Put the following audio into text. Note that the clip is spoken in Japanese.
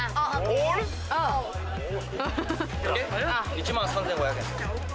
１万３５００円です。